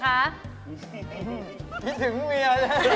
คิดถึงเมียนะ